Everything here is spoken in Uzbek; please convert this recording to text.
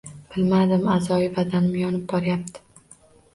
Bilmadim, a’zoyi badanim yonib borayapti.